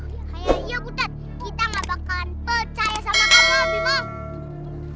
ya iya butat kita gak bakal percaya sama kamu bimok